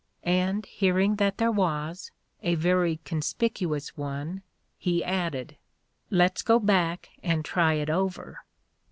and hearing that there was, a very conspicuous one, he added, "Let's go back and try it over."